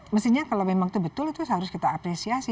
mestinya kalau memang itu betul itu harus kita apresiasi